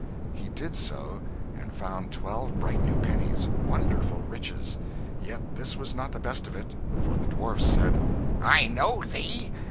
He did so, and found twelve bright new pennies wonderful riches! Yet this was not the best of it; for the dwarf said "I know thee.